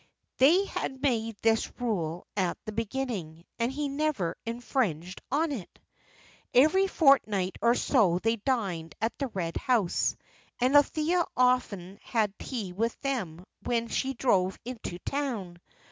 They had made this rule at the beginning, and he never infringed on it. Every fortnight or so they dined at the Red House, and Althea often had tea with them when she drove into town.